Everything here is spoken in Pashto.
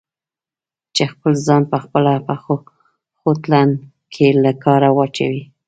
چې خپل ځان په خپله په خوټلون کې له کاره واچوي؟